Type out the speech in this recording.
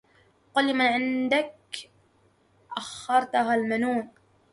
قل لمن عنك أخرتها المنون